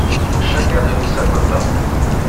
Chacun de nous s’accota.